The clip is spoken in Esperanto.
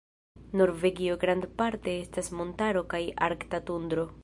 Norvegio grandparte estas montaro kaj arkta tundro.